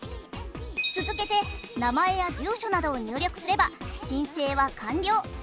続けて名前や住所などを入力すれば申請は完了。